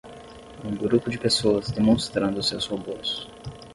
Um grupo de pessoas demonstrando seus robôs.